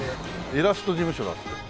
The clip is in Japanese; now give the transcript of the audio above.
イラスト事務所だって。